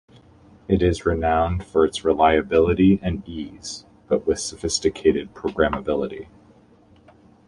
It is renowned for its reliability and ease, but with sophisticated programmability.